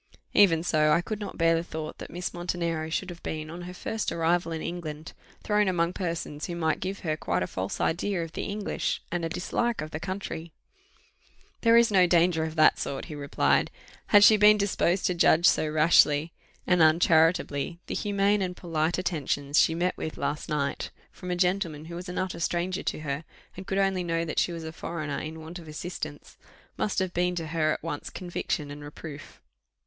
Even so I could not bear the thought that Miss Montenero should have been, on her first arrival in England, thrown among persons who might give her quite a false idea of the English, and a dislike to the country. "There is no danger of that sort," he replied. "Had she been disposed to judge so rashly and uncharitably, the humane and polite attentions she met with last night from a gentleman who was an utter stranger to her, and who could only know that she was a foreigner in want of assistance, must have been to her at once conviction and reproof."